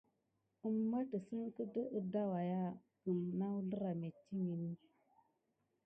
Kuma tisine gəda waya ho na wuzlera metikine diy kisok.